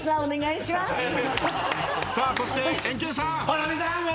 さあそしてエンケンさん！